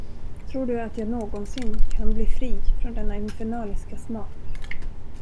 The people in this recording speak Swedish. Tror du att jag någonsin kan bli fri från denna infernaliska smak!